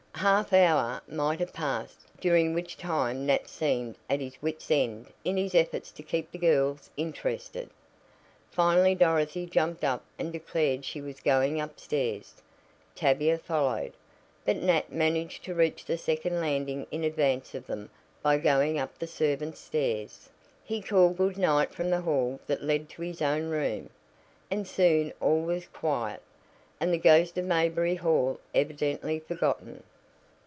A half hour might have passed, during which time Nat seemed at his wits' end in his efforts to keep the girls interested. Finally Dorothy jumped up and declared she was going upstairs. Tavia followed, but Nat managed to reach the second landing in advance of them by going up the servants' stairs. He called good night from the hall that led to his own room, and soon all was quiet, and the ghost of Mayberry Hall evidently forgotten.